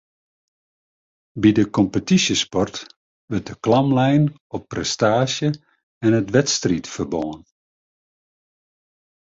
By de kompetysjesport wurdt de klam lein op prestaasje en it wedstriidferbân